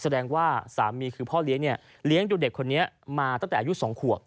แสดงว่าสามีคือพ่อเลี้ยงเนี่ยเลี้ยงดูเด็กคนนี้มาตั้งแต่อายุ๒ขวบ